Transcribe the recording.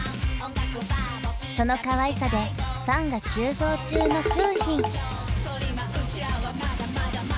そのかわいさでファンが急増中の楓浜。